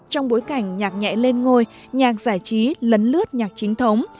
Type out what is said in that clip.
trong bối cảnh nhạc nhẹ lên ngôi nhạc giải trí lấn lướt nhạc chính thống